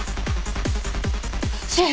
シェフ！